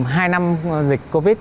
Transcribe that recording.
hai năm dịch covid